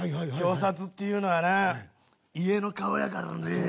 表札っていうのはな家の顔やからね。